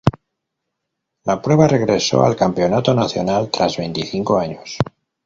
La prueba regresó al campeonato nacional tras veinticinco años.